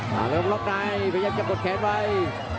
หลบล๊อคในพยายามจะปลดแขนไว้